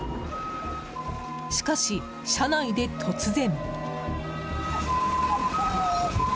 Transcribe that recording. しかし、車内で突然。